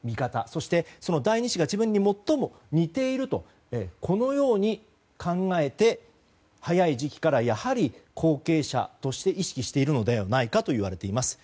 そして、その第２子が自分に最も似ているとこのように考えて早い時期からやはり後継者として意識しているのではないかといわれています。